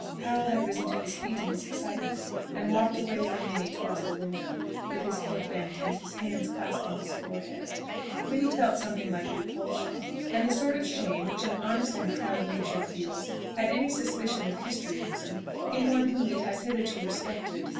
Powell had risen to his feet in his excitement, and walked away from Minnie towards the window, with his head bent, and his hands clasping his forehead. Minnie felt something like repulsion, and the sort of shame which an honest and proud nature feels at any suspicion of histrionism in one whom it has hitherto respected.